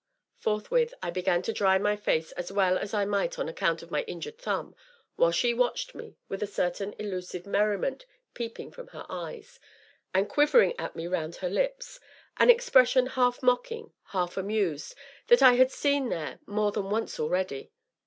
Forthwith I began to dry my face as well as I might on account of my injured thumb, while she watched me with a certain elusive merriment peeping from her eyes, and quivering at me round her lips, an expression half mocking, half amused, that I had seen there more than once already.